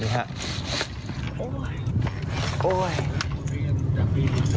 นี่ครับ